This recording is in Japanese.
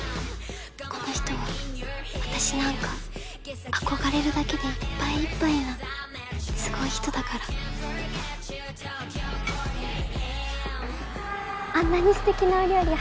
この人は私なんか憧れるだけでいっぱいいっぱいなすごい人だからあんなにステキなお料理